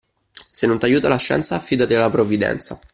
Se non t'aiuta la scienza, affidati alla provvidenza.